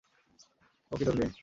ও কি তোর মেয়ে?